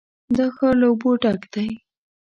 دا ښار له اوبو ډک دی.